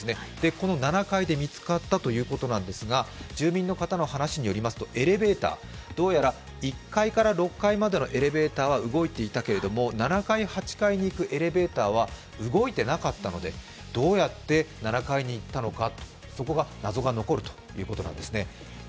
この７階で見つかったということなんですが、住民の方の話によりますとエレベーター、どうやら１階から６階までのエレベーターは動いていたけれども７階、８階に行くエレベーターは動いていなかったので、どうやって７階に行ったのか、そこが謎が残るということなんですね